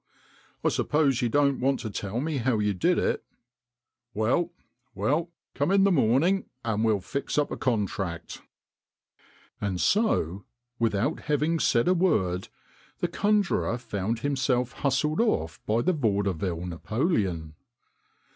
I suppose you don't want to tell me how you did it ? Well, well, come in the morning and we'll fix up a contract." And so, without having said a word, the conjurer found himself hustled off by the Vaudeville Napoleon.